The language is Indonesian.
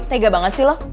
tega banget sih lo